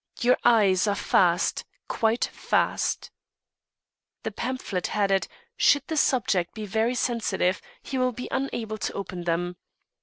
"Your eyes are fast, quite fast." The pamphlet had it, "Should the subject be very sensitive he will be unable to open them."